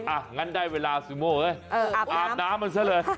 อ่ะงั้นได้เวลาซูโม่เฮ้ยอาบน้ำมันซะเลย